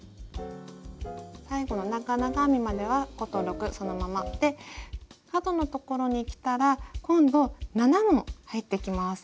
最後の長々編みまでは５と６そのままで角のところにきたら今度７も入ってきます。